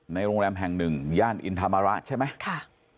โรงแรมแห่งหนึ่งย่านอินธรรมระใช่ไหมค่ะ